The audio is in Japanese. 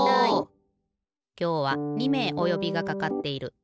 きょうは２めいおよびがかかっている。